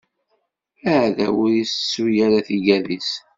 Aɛdaw ur itettu ara tigad-is.